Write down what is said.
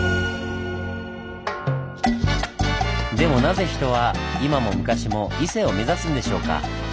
でもなぜ人は今も昔も伊勢を目指すんでしょうか？